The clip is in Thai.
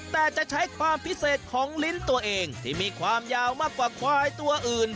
แต่จะใช้ความพิเศษของลิ้นตัวเองที่มีความยาวมากกว่าควายตัวอื่น